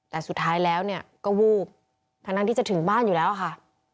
แต่สุดท้ายแล้วเนี่ยก็วูบทั้งที่จะถึงบ้านอยู่แล้วค่ะ